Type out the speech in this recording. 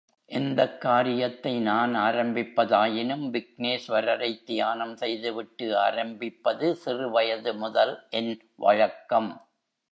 எந்தக் காரியத்தை நான் ஆரம்பிப்பதாயினும் விக்னேஸ்வரரைத் தியானம் செய்துவிட்டு ஆரம்பிப்பது சிறு வயது முதல் என் வழக்கம்.